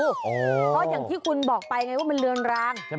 เพราะอย่างที่คุณบอกไปไงว่ามันเรือนราง